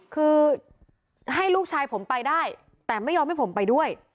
คือให้ลูกชายผมไปได้แต่ไม่ยอมให้ผมไปด้วย